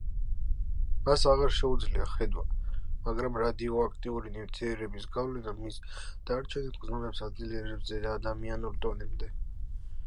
მას აღარ შეუძლია ხედვა, მაგრამ რადიოაქტიური ნივთიერების გავლენა მის დარჩენილ გრძნობებს აძლიერებს ზეადამიანურ დონემდე.